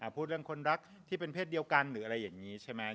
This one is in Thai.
พูดเรื่องคนรักที่เป็นเพศเดียวกันหรืออะไรอย่างนี้ใช่ไหม